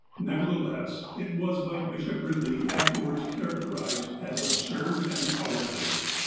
Nevertheless, it was by Bishop Eidley afterwards char acterized as '' absurd and" cowardly."